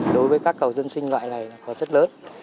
đối với các cầu dân sinh loại này có rất lớn